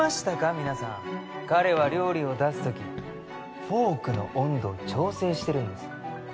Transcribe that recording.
皆さん彼は料理を出す時フォークの温度を調整してるんです